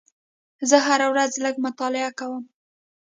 زه هره ورځ لږ مطالعه کوم.